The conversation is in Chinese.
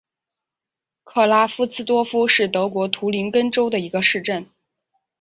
克拉夫茨多夫是德国图林根州的一个市镇。